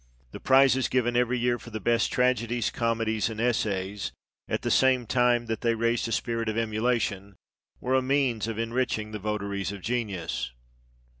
The prizes given every year for the best tragedies, comedies, and essays, at the same time that they raised a spirit of THE EDITOR'S PREFACE. xxv emulation, were a means of enriching the votaries of genius."